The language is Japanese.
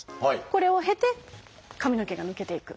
これを経て髪の毛が抜けていく。